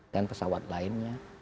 dan pesawat lainnya